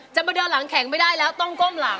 จะมาเดินหลังแข็งไม่ได้แล้วต้องก้มหลัง